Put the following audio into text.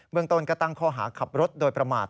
เมืองต้นก็ตั้งข้อหาขับรถโดยประมาท